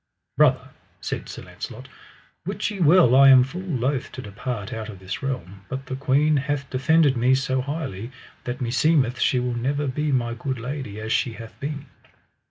Brother, said Sir Launcelot, wit ye well I am full loath to depart out of this realm, but the queen hath defended me so highly, that meseemeth she will never be my good lady as she hath been.